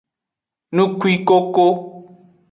Nukwikoko.